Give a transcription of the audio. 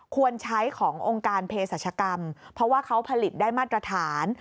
ควรใช้ขององค์การเพศรัชกรรมเพราะว่าเขาผลิตได้มาตรฐาน